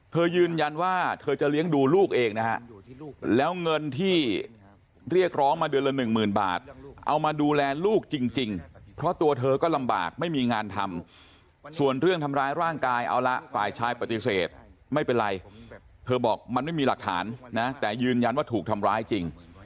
ยืนยันว่าเธอจะเลี้ยงดูลูกเองนะฮะแล้วเงินที่เรียกร้องมาเดือนละหนึ่งหมื่นบาทเอามาดูแลลูกจริงเพราะตัวเธอก็ลำบากไม่มีงานทำส่วนเรื่องทำร้ายร่างกายเอาละฝ่ายชายปฏิเสธไม่เป็นไรเธอบอกมันไม่มีหลักฐานนะแต่ยืนยันว่าถูกทำร้ายจริง